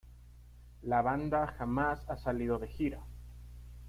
La banda jamás ha salido de gira.